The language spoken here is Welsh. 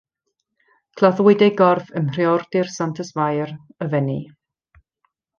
Claddwyd ei gorff ym Mhriordy'r Santes Fair, y Fenni.